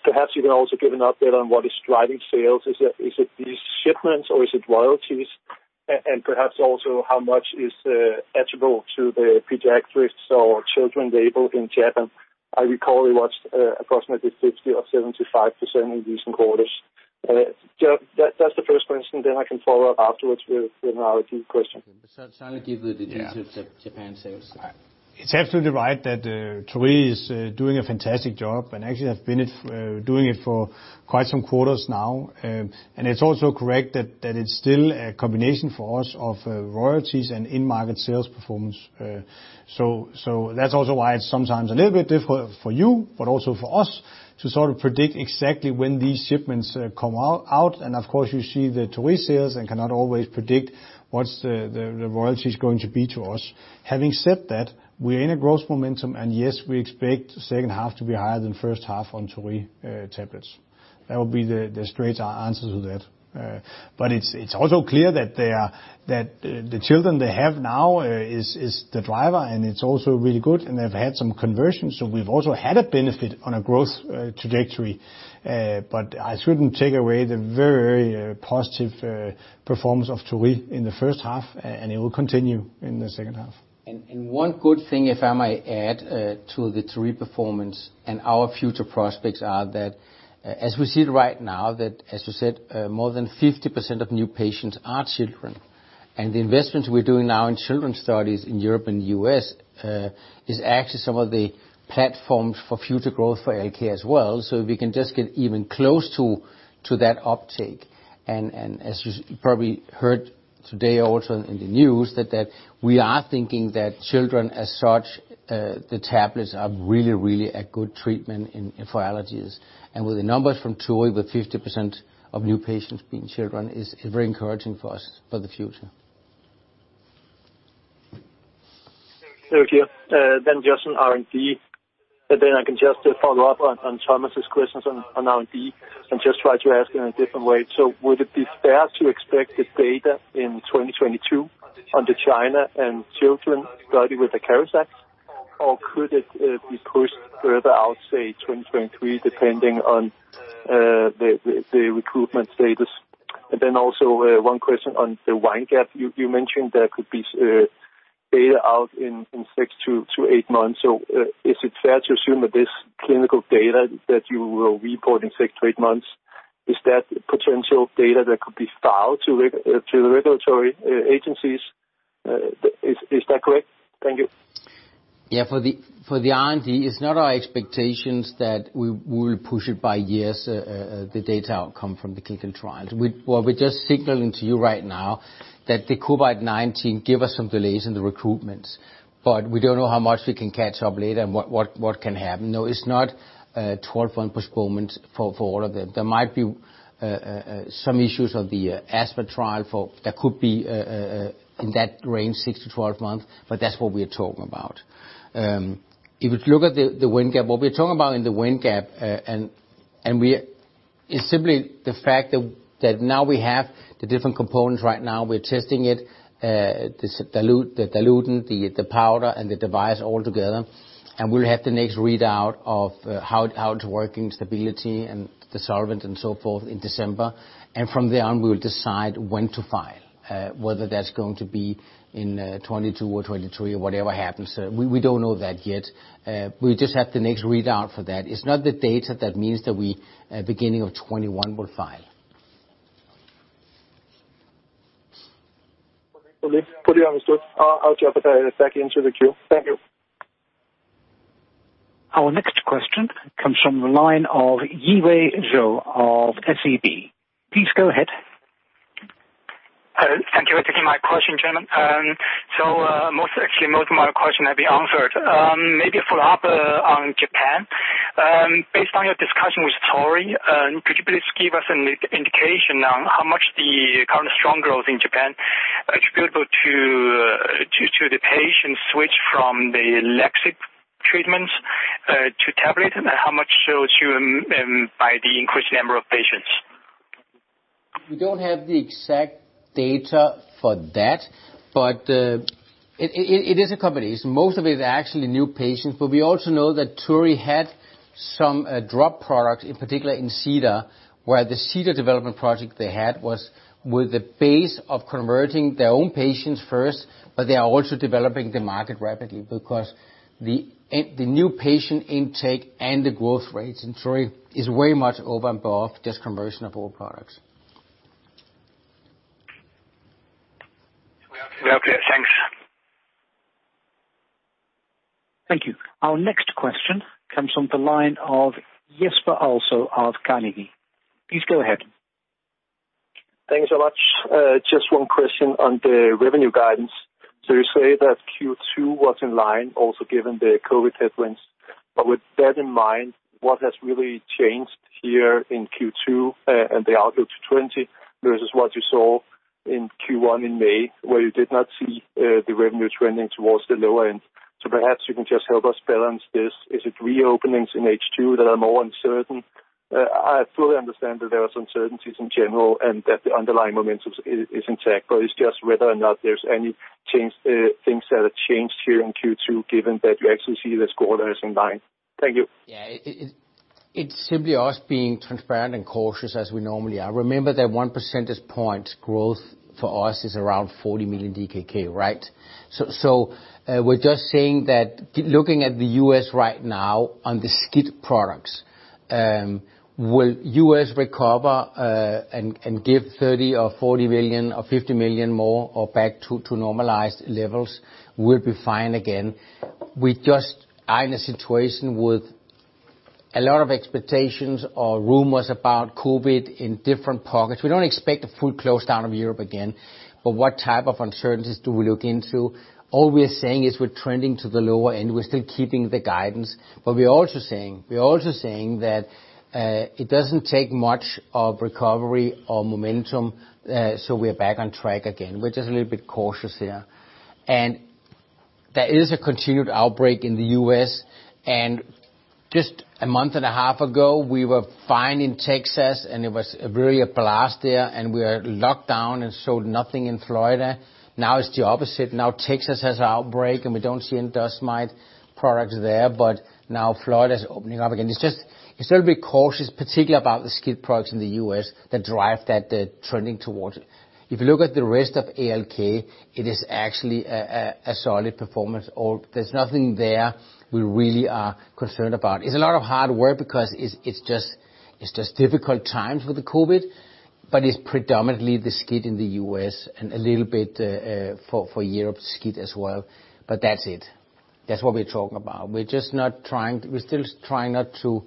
Perhaps you can also give an update on what is driving sales. Is it these shipments, or is it royalties? And perhaps also how much is attributable to the pediatrics or children label in Japan? I recall it was approximately 50% or 75% in recent quarters. That's the first question. Then I can follow up afterwards with another question. Certainly give the details of Japan's sales. It's absolutely right that Torii is doing a fantastic job and actually has been doing it for quite some quarters now, and it's also correct that it's still a combination for us of royalties and in-market sales performance, so that's also why it's sometimes a little bit difficult for you, but also for us to sort of predict exactly when these shipments come out, and of course, you see the Torii sales and cannot always predict what the royalties are going to be to us. Having said that, we are in a growth momentum, and yes, we expect second half to be higher than first half on Torii tablets. That will be the straight answer to that, but it's also clear that the children they have now is the driver, and it's also really good, and they've had some conversions, so we've also had a benefit on a growth trajectory. But I shouldn't take away the very, very positive performance of Torii in the first half, and it will continue in the second half. One good thing, if I may add to the Torii performance and our future prospects are that, as we see it right now, that, as you said, more than 50% of new patients are children. The investments we're doing now in children's studies in Europe and U.S. is actually some of the platforms for future growth for ALK as well. So we can just get even close to that uptake. As you probably heard today also in the news, that we are thinking that children as such, the tablets are really, really a good treatment for allergies. With the numbers from Torii with 50% of new patients being children, it's very encouraging for us for the future. Thank you. Then just on R&D, then I can just follow up on Thomas's questions on R&D and just try to ask in a different way. So would it be fair to expect the data in 2022 on the China and children study with the ACARIZAX, or could it be pushed further out, say, 2023, depending on the recruitment status? And then also one question on the Windgap. You mentioned there could be data out in six to eight months. So is it fair to assume that this clinical data that you will report in six to eight months, is that potential data that could be filed to the regulatory agencies? Is that correct? Thank you. Yeah. For the R&D, it's not our expectations that we will push it by years, the data outcome from the clinical trials. What we're just signaling to you right now, that the COVID-19 gave us some delays in the recruitments, but we don't know how much we can catch up later and what can happen. No, it's not 12-month postponement for all of them. There might be some issues on the asthma trial that could be in that range, 6-12 months, but that's what we are talking about. If you look at the Windgap, what we're talking about in the Windgap, and it's simply the fact that now we have the different components right now. We're testing it, the diluent, the powder, and the device altogether. And we'll have the next readout of how it's working, stability, and the solvent and so forth in December. And from there, we will decide when to file, whether that's going to be in 2022 or 2023 or whatever happens. We don't know that yet. We just have the next readout for that. It's not the data that means that we at the beginning of 2021 will file. Fully understood. I'll jump back into the queue. Thank you. Our next question comes from the line of Yiwei Zhou of SEB. Please go ahead. Thank you for taking my question. So actually, most of my questions have been answered. Maybe a follow-up on Japan. Based on your discussion with Torii, could you please give us an indication on how much the current strong growth in Japan attributable to the patient switch from the SCIT treatments to tablet, and how much by the increased number of patients? We don't have the exact data for that, but it is a combination. Most of it is actually new patients. But we also know that Torii had some SLIT-drop products, in particular in Cedarcure, where the Cedarcure development project they had was with the base of converting their own patients first, but they are also developing the market rapidly because the new patient intake and the growth rates in Torii is way much over and above just conversion of old products. We are clear. Thanks. Thank you. Our next question comes from the line of Jesper Ilsøe of Carnegie. Please go ahead. Thank you so much. Just one question on the revenue guidance. So you say that Q2 was in line also given the COVID headwinds. But with that in mind, what has really changed here in Q2 and the outlook to 2020 versus what you saw in Q1 in May, where you did not see the revenue trending towards the lower end? So perhaps you can just help us balance this. Is it reopenings in H2 that are more uncertain? I fully understand that there are uncertainties in general and that the underlying momentum is intact. But it's just whether or not there's any things that have changed here in Q2 given that you actually see the quarters in line. Thank you. Yeah. It's simply us being transparent and cautious as we normally are. Remember that one percentage point growth for us is around 40 million DKK, right? So we're just saying that looking at the U.S. right now on the SCIT products, will U.S. recover and give 30 million or 40 million or 50 million more or back to normalized levels? We'll be fine again. We just are in a situation with a lot of expectations or rumors about COVID in different pockets. We don't expect a full close down of Europe again, but what type of uncertainties do we look into? All we are saying is we're trending to the lower end. We're still keeping the guidance, but we're also saying that it doesn't take much of recovery or momentum so we're back on track again. We're just a little bit cautious here, and there is a continued outbreak in the U.S. And just a month and a half ago, we were fine in Texas, and it was really a blast there, and we were locked down and showed nothing in Florida. Now it's the opposite. Now Texas has an outbreak, and we don't see any dust mite products there, but now Florida is opening up again. It's just we're still being cautious, particularly about the SCIT products in the U.S. that drive that trending towards it. If you look at the rest of ALK, it is actually a solid performance. There's nothing there we really are concerned about. It's a lot of hard work because it's just difficult times with the COVID, but it's predominantly the SCIT in the U.S. and a little bit for Europe's SCIT as well. But that's it. That's what we're talking about. We're still trying not to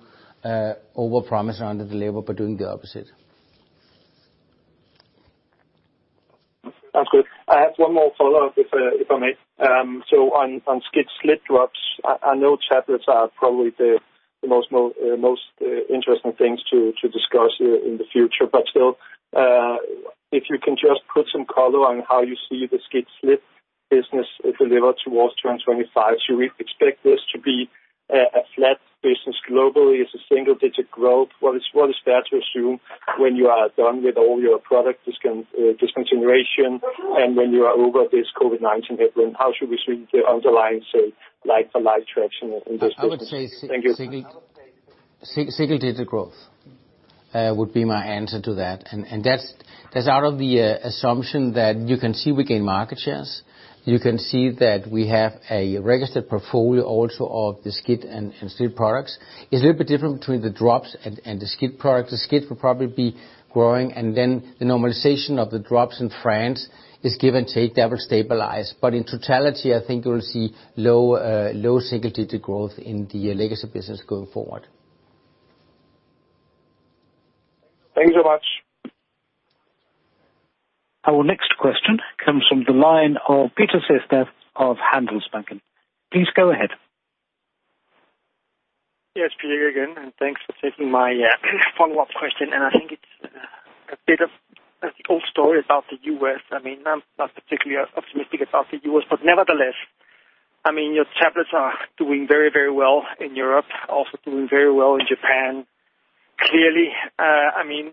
overpromise on the delivery, but doing the opposite. Sounds good. I have one more follow-up, if I may. So on SCIT, SLIT-drops, I know tablets are probably the most interesting things to discuss in the future. But still, if you can just put some color on how you see the SCIT, SLIT-drops business deliver towards 2025, should we expect this to be a flat business globally? Is it single-digit growth? What is fair to assume when you are done with all your product discontinuation and when you are over this COVID-19 headwind? How should we see the underlying, say, like-for-like traction in this business? I would say single-digit growth would be my answer to that. And that's out of the assumption that you can see we gain market shares. You can see that we have a registered portfolio also of the SCIT and SLIT products. It's a little bit different between the drops and the SCIT products. The SCIT will probably be growing, and then the normalization of the drops in France is give and take. That will stabilize. But in totality, I think you will see low single-digit growth in the legacy business going forward. Thank you so much. Our next question comes from the line of Peter Sehested of Handelsbanken. Please go ahead. Yes, Peter, again. And thanks for taking my follow-up question. And I think it's a bit of the old story about the U.S. I mean, I'm not particularly optimistic about the U.S., but nevertheless, I mean, your tablets are doing very, very well in Europe, also doing very well in Japan. Clearly, I mean,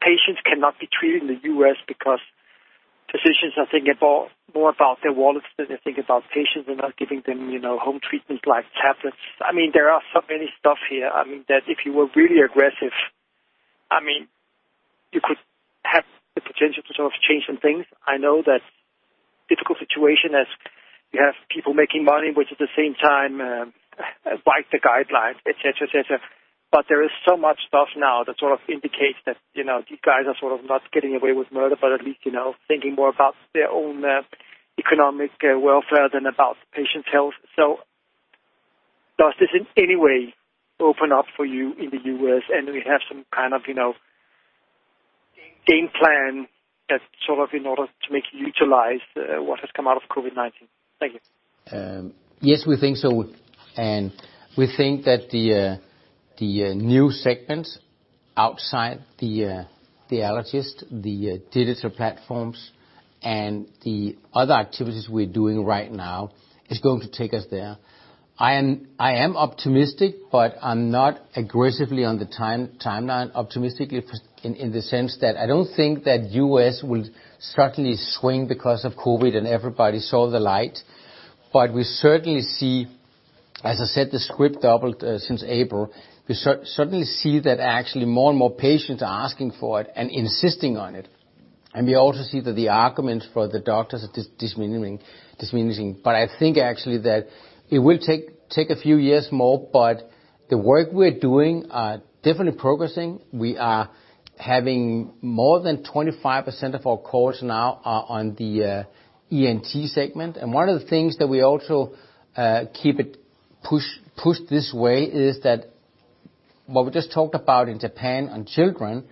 patients cannot be treated in the U.S. because physicians are thinking more about their wallets than they think about patients. They're not giving them home treatments like tablets. I mean, there are so many stuff here. I mean, that if you were really aggressive, I mean, you could have the potential to sort of change some things. I know that's a difficult situation as you have people making money, which at the same time abide by the guidelines, etc., etc. But there is so much stuff now that sort of indicates that these guys are sort of not getting away with murder, but at least thinking more about their own economic welfare than about patient health. So does this in any way open up for you in the U.S.? And do we have some kind of game plan that's sort of in order to make you utilize what has come out of COVID-19? Thank you. Yes, we think so. And we think that the new segments outside the allergist, the digital platforms, and the other activities we're doing right now is going to take us there. I am optimistic, but I'm not aggressively on the timeline, optimistically in the sense that I don't think that U.S. will suddenly swing because of COVID and everybody saw the light. But we certainly see, as I said, the script doubled since April. We certainly see that actually more and more patients are asking for it and insisting on it. And we also see that the arguments for the doctors are diminishing. But I think actually that it will take a few years more, but the work we're doing is definitely progressing. We are having more than 25% of our calls now on the ENT segment. And one of the things that we also keep it pushed this way is that what we just talked about in Japan on children.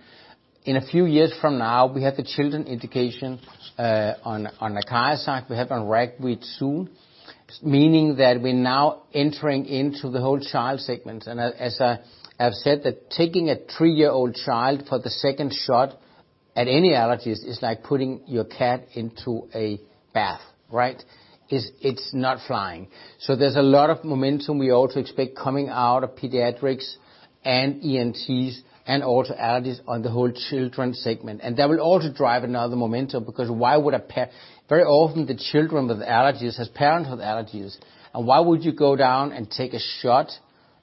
In a few years from now, we have the children indication on the ACARIZAX. We have on Ragwitek soon, meaning that we're now entering into the whole child segments. And as I've said, taking a three-year-old child for the second shot at any allergist is like putting your cat into a bath, right? It's not flying. So there's a lot of momentum we also expect coming out of pediatrics and ENTs and also allergists on the whole children segment. And that will also drive another momentum because why would a parent very often the children with allergies has parents with allergies. And why would you go down and take a shot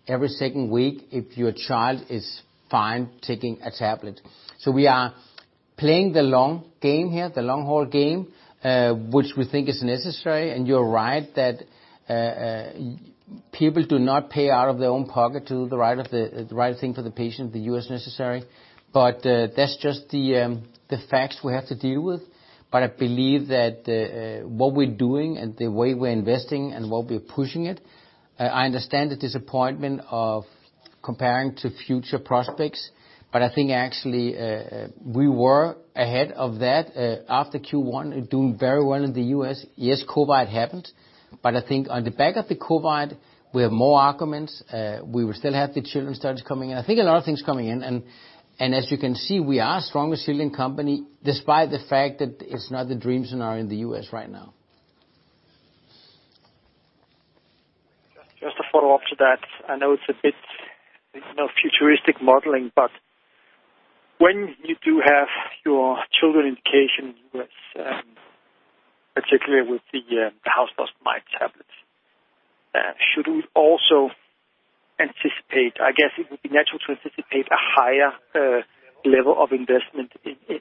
every second week if your child is fine taking a tablet? So we are playing the long game here, the long-haul game, which we think is necessary. And you're right that people do not pay out of their own pocket to do the right thing for the patient in the U.S. necessary. But that's just the facts we have to deal with. But I believe that what we're doing and the way we're investing and what we're pushing it, I understand the disappointment of comparing to future prospects. But I think actually we were ahead of that after Q1, doing very well in the U.S. Yes, COVID happened. But I think on the back of the COVID, we have more arguments. We will still have the children studies coming in. I think a lot of things coming in. As you can see, we are a strong resilient company despite the fact that it's not the dream scenario in the U.S. right now. Just to follow up to that, I know it's a bit futuristic modeling, but when you do have your children indication in the U.S., particularly with the house dust mite tablets, should we also anticipate? I guess it would be natural to anticipate a higher level of investment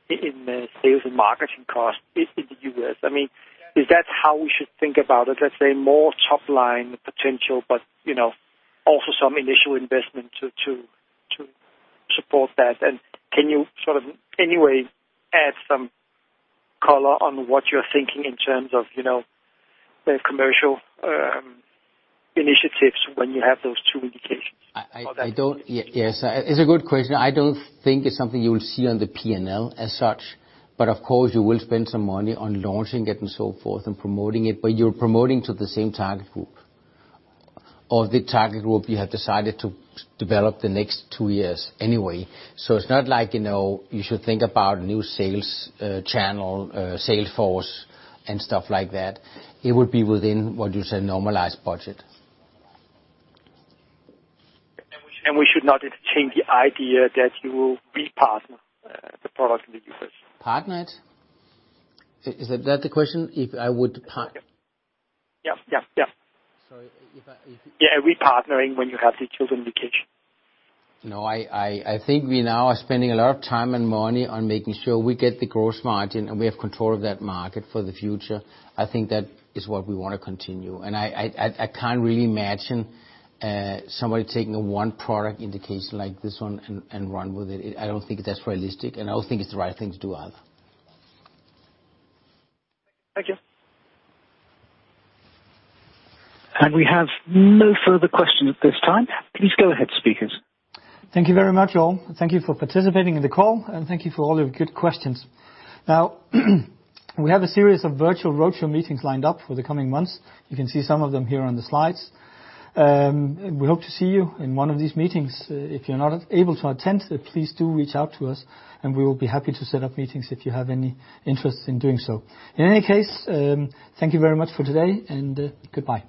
in sales and marketing costs in the U.S. I mean, is that how we should think about it? Let's say more top-line potential, but also some initial investment to support that. And can you sort of anyway add some color on what you're thinking in terms of commercial initiatives when you have those two indications? Yes. It's a good question. I don't think it's something you will see on the P&L as such. But of course, you will spend some money on launching it and so forth and promoting it. But you're promoting to the same target group or the target group you have decided to develop the next two years anyway. So it's not like you should think about a new sales channel, sales force, and stuff like that. It would be within what you said, normalized budget. We should not change the idea that you will repartner the product in the U.S. Partner it? Is that the question? If I would. Yep. Yep. Yep. Sorry. Yeah. Repartnering when you have the children indication. No, I think we now are spending a lot of time and money on making sure we get the gross margin and we have control of that market for the future. I think that is what we want to continue. And I can't really imagine somebody taking a one product indication like this one and run with it. I don't think that's realistic. And I don't think it's the right thing to do either. And we have no further questions at this time. Please go ahead, speakers. Thank you very much, all. Thank you for participating in the call, and thank you for all your good questions. Now, we have a series of virtual roadshow meetings lined up for the coming months. You can see some of them here on the slides. We hope to see you in one of these meetings. If you're not able to attend, please do reach out to us, and we will be happy to set up meetings if you have any interest in doing so. In any case, thank you very much for today, and goodbye.